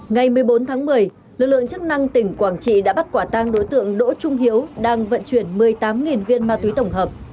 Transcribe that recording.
ngày một mươi bốn tháng một mươi lực lượng chức năng tỉnh quảng trị đã bắt quả tang đối tượng đỗ trung hiếu đang vận chuyển một mươi tám viên ma túy tổng hợp